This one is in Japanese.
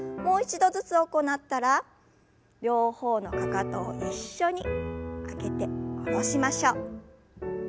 もう一度ずつ行ったら両方のかかとを一緒に上げて下ろしましょう。